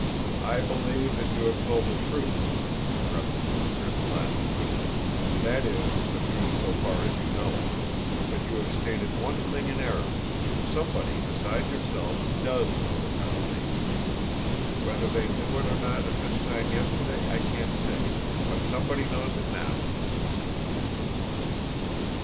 "I believe that you have told the truth," interrupted Mr. Grimm placidly, "that is the truth so far as you know it. But you have stated one thing in error. Somebody besides yourself does know the combination. Whether they knew it or not at this time yesterday I can't say, but somebody knows it now."